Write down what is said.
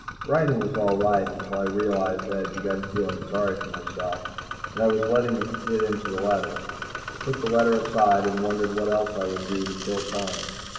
Writing was all right, until I realized that I had begun feeling sorry for myself, and I was letting it get into the letter. I put the letter aside and wondered what else I could do to kill time.